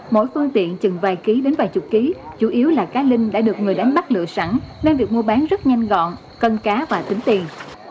mỗi phương tiện chừng vài ký đến vài chục ký chủ yếu là cá linh đã được người đánh bắt lựa sẵn nên việc mua bán rất nhanh gọn cân cá và tính tiền